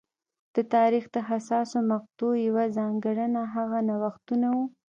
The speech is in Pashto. د تاریخ د حساسو مقطعو یوه ځانګړنه هغه نوښتونه وو